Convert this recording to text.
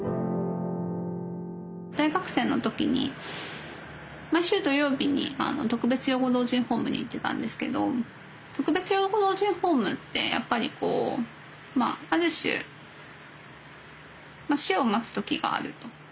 大学生の時に毎週土曜日に特別養護老人ホームに行ってたんですけど特別養護老人ホームってやっぱりこうある種死を待つ時があると。